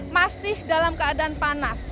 masih dalam keadaan panas